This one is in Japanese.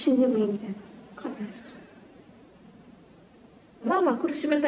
みたいな感じでした。